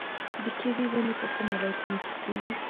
د کیوي ونې په کومو ولایتونو کې کیږي؟